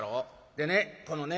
でねこのね